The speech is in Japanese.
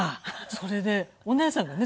それでお姉さんがね